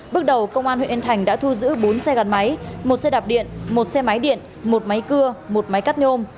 bước đầu công an huyện yên thành đã thu giữ bốn xe gắn máy một xe đạp điện một xe máy điện một máy cưa một máy cắt nhôm